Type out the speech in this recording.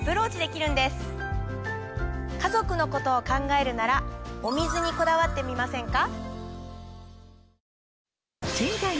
家族のことを考えるならお水にこだわってみませんか？